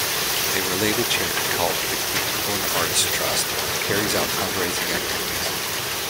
A related charity called the Glyndebourne Arts Trust carries out fund-raising activities.